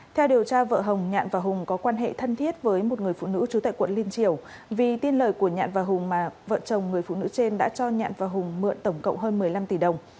theo điều tra vợ hồng nhạn và hùng có quan hệ thân thiết với một người phụ nữ trú tại quận liên triều vì tin lời của nhạn và hùng mà vợ chồng người phụ nữ trên đã cho nhạn và hùng mượn tổng cộng hơn một mươi năm tỷ đồng